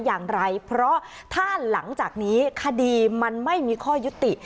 อย่างไรเพราะถ้าหลังจากนี้คดีมันไม่มีข้อยุติ